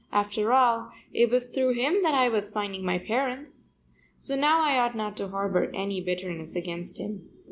After all it was through him that I was finding my parents. So now I ought not to harbor any bitterness against him.